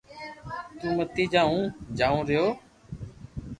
تو متي جا ھون جاو رھيو